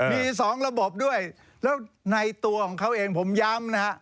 มีสองระบบด้วยแล้วในตัวของเขาเองผมย้ำนะฮะ